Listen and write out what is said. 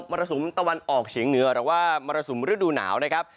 รสุมตะวันออกเฉียงเหนือหรือว่ามรสุมฤดูหนาวนะครับ